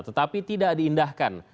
tetapi tidak diindahkan